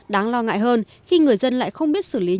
đáng lo ngại hơn khi người dân lại không biết xử lý những gì